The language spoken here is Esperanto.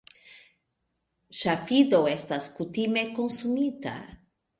Ŝafido estas kutime konsumita.